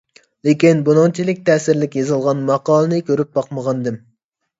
لېكىن، بۇنىڭچىلىك تەسىرلىك يېزىلغان ماقالىنى كۆرۈپ باقمىغانىدىم.